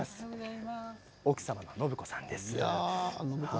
奥様の信子さんです。